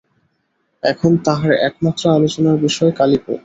এখন তাঁহার একমাত্র আলোচনার বিষয় কালীপদ।